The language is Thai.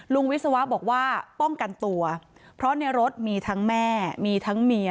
วิศวะบอกว่าป้องกันตัวเพราะในรถมีทั้งแม่มีทั้งเมีย